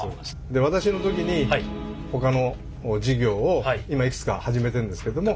で私の時にほかの事業を今いくつか始めてんですけども。